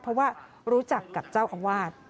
เพราะว่ารู้จักกับเจ้าอาวาส